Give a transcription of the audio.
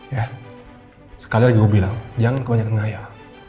ya sekali lagi gue bilang jangan kebanyakan ayah